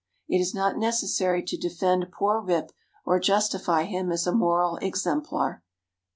It is not necessary to defend poor Rip, or justify him as a moral exemplar.